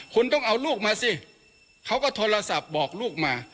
คุณต้องเอาลูกมาสิเขาก็โทรศัพท์บอกลูกมา